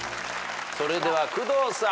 それでは工藤さん。